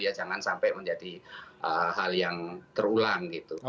ya jangan sampai menjadi hal yang terulang gitu